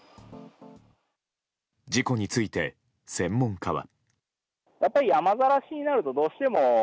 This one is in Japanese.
事故について、専門家は。